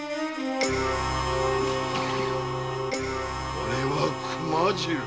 「おれは熊次郎」